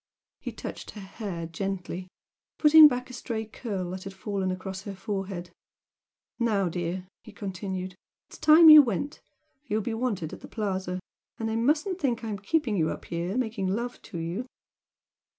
He touched her hair gently, putting back a stray curl that had fallen across her forehead. "Now, dear," he continued, "It's time you went. You'll be wanted at the Plaza and they mustn't think I'm keeping you up here, making love to you!"